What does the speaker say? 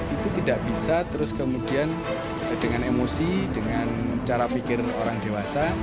itu tidak bisa terus kemudian dengan emosi dengan cara pikir orang dewasa